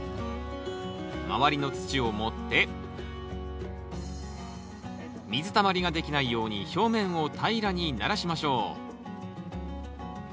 周りの土を盛って水たまりができないように表面を平らにならしましょう。